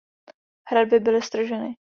Hradby byly strženy.